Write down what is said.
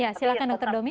ya silahkan dr domi